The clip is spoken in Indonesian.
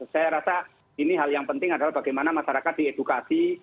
saya rasa ini hal yang penting adalah bagaimana masyarakat diedukasi